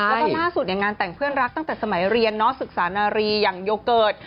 แล้วก็ล่าสุดงานแต่งเพื่อนรักตั้งแต่สมัยเรียนศึกษานารีอย่างโยเกิร์ต